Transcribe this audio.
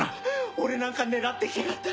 俺なんか狙って来やがった。